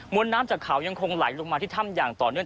น้ำจากเขายังคงไหลลงมาที่ถ้ำอย่างต่อเนื่อง